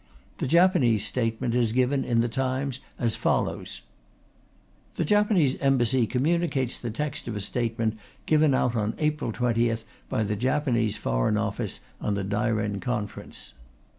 The Japanese statement is given in The Times as follows: The Japanese Embassy communicates the text of a statement given out on April 20th by the Japanese Foreign Office on the Dairen Conference.